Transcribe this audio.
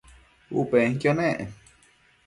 U penquio nec